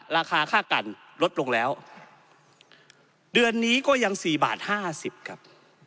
ราคาค่ากันลดลงแล้วเดือนนี้ก็ยังสี่บาทห้าสิบครับ